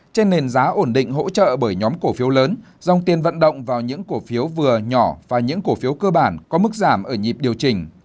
trên nền giá ổn định hỗ trợ bởi nhóm cổ phiếu lớn dòng tiền vận động vào những cổ phiếu vừa nhỏ và những cổ phiếu cơ bản có mức giảm ở nhịp điều chỉnh